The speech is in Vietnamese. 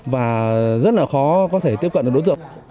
và rất là khó có thể tiếp cận được đối tượng